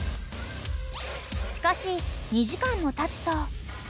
［しかし２時間もたつと］